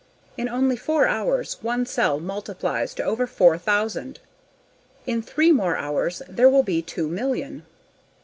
In only four hours one cell multiplies to over four thousand. In three more hours there will be two million.